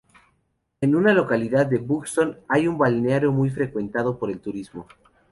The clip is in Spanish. En la localidad de Buxton hay un balneario muy frecuentado por el turismo.